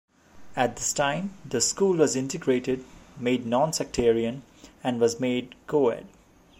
At this time, the school was integrated, made non-sectarian, and was made co-ed.